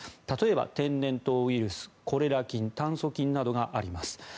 例えば天然痘ウイルスコレラ菌、炭疽菌などがあります。